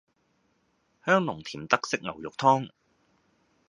香濃甜德式牛肉湯